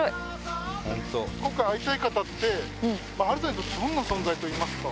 今回、会いたい方って、波瑠さんにとってどんな存在といいますか。